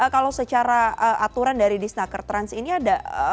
kalau secara aturan dari disnaker trans ini ada